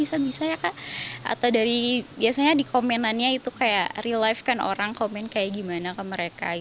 atau dari komenannya real life kan orang komen kayak gimana ke mereka